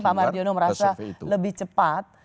pak mardiono merasa lebih cepat